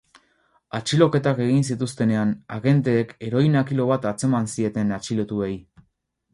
Atxiloketak egin zituztenean, agenteek heroina kilo bat atzeman zieten atxilotuei.